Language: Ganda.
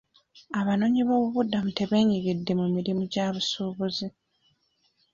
Abanoonyi b'obubuddamu tebeenyigidde mu mirimu gya busuubuzi.